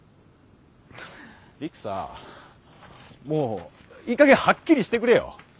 陸さもういいかげんはっきりしてくれよ。